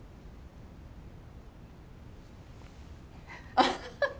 アハハハ。